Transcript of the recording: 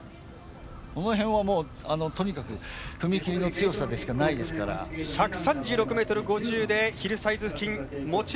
この辺はもう、とにかく踏み切りの強さでしかないですから。１３６ｍ５０でヒルサイズ付近。